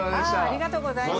ありがとうございます。